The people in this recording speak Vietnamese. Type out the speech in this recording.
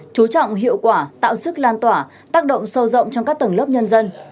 chú trọng hiệu quả tạo sức lan tỏa tác động sâu rộng trong các tầng lớp nhân dân